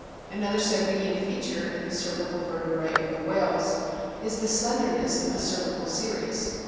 Another Sirenian feature in the cervical vertebrae of the whales is the slender ness of the cervical series.